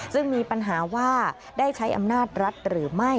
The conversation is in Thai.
ซึ่งมีปัญหาว่าได้ใช้อำนาจรัฐหรือไม่